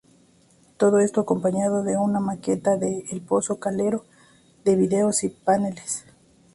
Todo esto acompañado de una maqueta del "Pozo Calero", de vídeos y de paneles.